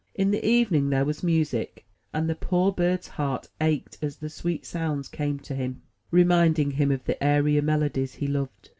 In the evening there was music; and the poor bird's heart ached as the sweet sounds came to him, reminding him of the airier melodies he loved.